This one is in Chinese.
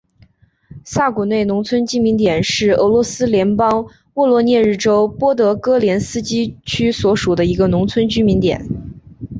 萨古内农村居民点是俄罗斯联邦沃罗涅日州波德戈连斯基区所属的一个农村居民点。